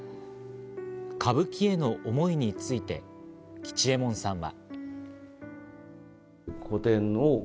歌舞伎への思いについて吉右衛門さんは。